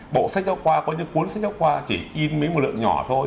bộ sách giáo khoa có những cuốn sách giáo khoa chỉ in mấy một lượng nhỏ thôi